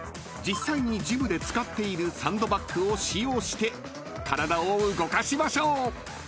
［実際にジムで使っているサンドバッグを使用して体を動かしましょう］